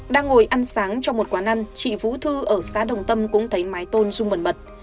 đang ngồi ăn sáng trong một quán ăn chị vũ thư ở xã đồng tâm cũng thấy mái tôn rung mẩn mật